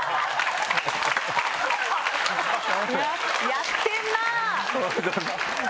やってんなぁ！